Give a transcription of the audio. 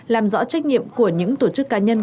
làm rõ trách nhiệm của những tổ chức cá nhân